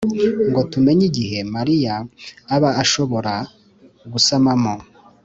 ngo tumenye igihe mariya aba ashobora gusamamo,